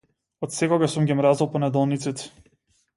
Од секогаш сум ги мразел понеделниците.